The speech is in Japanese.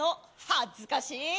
恥ずかしい！